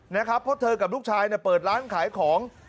นะครับเพราะเธอกับลูกชายเปิดร้านขายของ